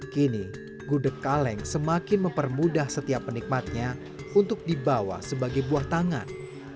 kini gudeg kaleng semakin mempermudah setiap penikmatnya untuk dibawa sebagai buah tangan